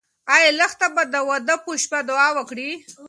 ایا لښته به د واده په شپه دعا وکړي؟